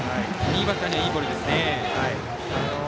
右バッターにはいいボールですね。